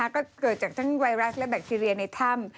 ก็เกิดจากทั้งไวรัสและแบคทีเรียในถ้ำ